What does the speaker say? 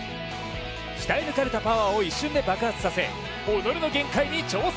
鍛え抜かれたパワーを一瞬で爆発させ己の限界の挑戦。